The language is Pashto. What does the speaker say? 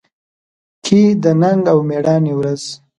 کې د ننګ او مېړانې ورځ